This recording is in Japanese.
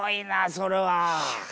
それは。